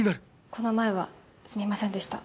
この前はすみませんでした。